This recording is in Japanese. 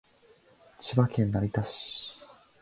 千葉県成田市